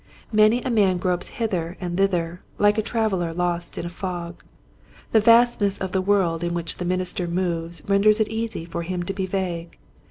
Many a man gropes hither and thither like a trav eler lost in a fog. The vastness of the world in which the minister moves renders it easy for him to be vague.